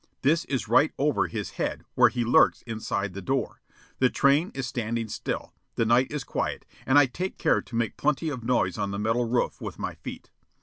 This is right over his head, where he lurks inside the door. The train is standing still; the night is quiet, and I take care to make plenty of noise on the metal roof with my feet.